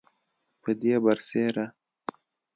پدې برسیره